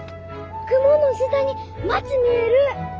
雲の下に町見える！